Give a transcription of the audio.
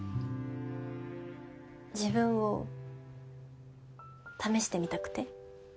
自分を試してみたくて。